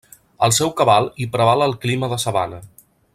Al seu cabal hi preval el clima de sabana.